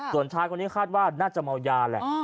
ส่วนชายคนนี้คาดว่าน่าจะเมายาแหละ